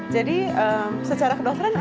jadi secara kedokteran kita harus mengerti